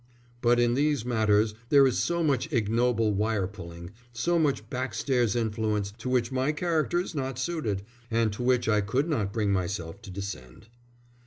_ But in these matters there is so much ignoble wire pulling, so much backstairs influence to which my character is not suited and to which I could not bring myself to descend."